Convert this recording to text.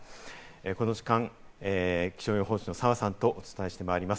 この時間、気象予報士の澤さんとお伝えしてまいります。